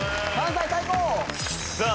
さあ